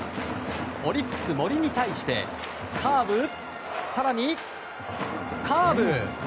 オリックス森に対してカーブ、更にカーブ。